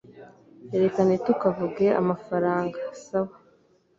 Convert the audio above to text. Reka ntitukavuge amafaranga, sawa?